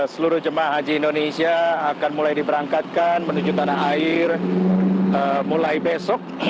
seluruh jemaah haji indonesia akan mulai diberangkatkan menuju tanah air mulai besok